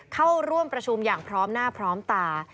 เข้าร่วมประชุมอย่างพร้อมหน้าพร้อมตา